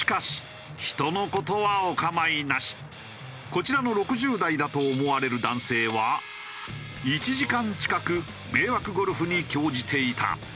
こちらの６０代だと思われる男性は１時間近く迷惑ゴルフに興じていた。